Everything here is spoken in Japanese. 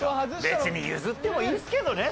別に譲ってもいいですけどね。